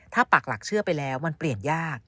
ถ้าปากหลักเชื่อไปแล้วมันเปลี่ยนยาก